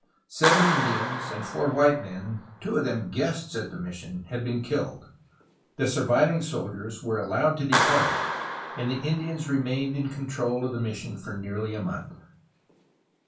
Seven Indians and four white men (two of them guests at the mission) had been killed. The surviving soldiers were allowed to depart, and the Indians remained in control of the mission for nearly a month.